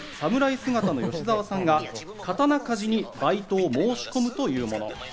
姿の吉沢さんが刀鍛冶にバイトを申し込むというもの。